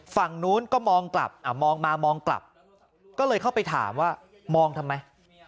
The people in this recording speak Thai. ฝั่งนู้นก็มองกลับมองมามองกลับก็เลยเข้าไปถามว่ามองทำไม